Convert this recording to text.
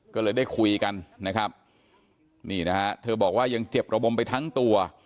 ก็เลยได้คุยกันนะครับนี่นะฮะเธอบอกว่ายังเจ็บระบมไปทั้งตัว